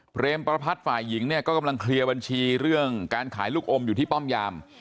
รมประพัฒน์ฝ่ายหญิงเนี่ยก็กำลังเคลียร์บัญชีเรื่องการขายลูกอมอยู่ที่ป้อมยาม